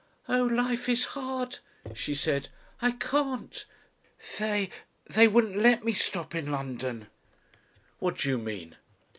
"Oh! life is hard," she said. "I can't. They they wouldn't let me stop in London." "What do you mean?"